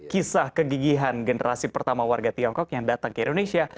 kisah kegigihan generasi pertama warga tiongkok yang datang ke indonesia